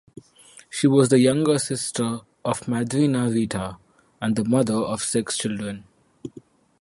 She was the younger sister of Madrinha Rita, and the mother of six children.